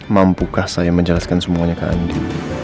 mampukah saya menjelaskan semuanya ke andi